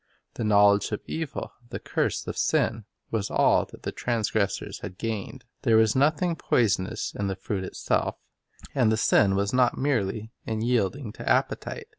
The knowledge of evil, the curse of sin, was all that the transgressors gained. There was nothing poisonous in the fruit itself, and the sin was not merely in yielding to appetite.